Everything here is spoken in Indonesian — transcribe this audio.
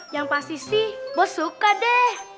yang pasti sih bos suka deh